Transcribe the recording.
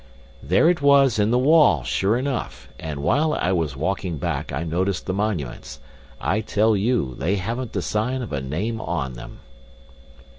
There it was in the wall, sure enough, and while I was walking back, I noticed the monuments. I tell you, they haven't the sign of a name on them."